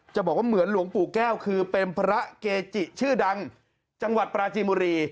บอกว่าเหมือนหลวงปู่แก้วคือเป็นพระเกจิชื่อดังจังหวัดปราจีนบุรี